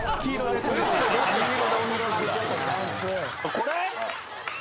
これ？